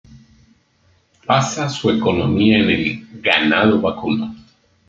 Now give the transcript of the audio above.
Basa su economía en el ganado vacuno.